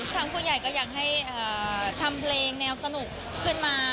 ทางผู้ใหญ่ก็ยังให้ทำเพลงแนวสนุกขึ้นมา